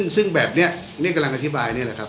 ซึ่งแบบนี้นี่กำลังอธิบายนี่แหละครับ